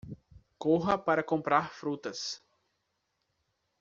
Corra para comprar frutas